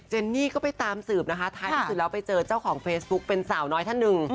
นี่ก็ไปตามสืบนะคะท้ายที่สุดแล้วไปเจอเจ้าของเฟซบุ๊กเป็นสาวน้อยท่านหนึ่ง